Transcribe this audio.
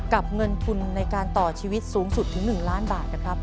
เงินทุนในการต่อชีวิตสูงสุดถึง๑ล้านบาทนะครับ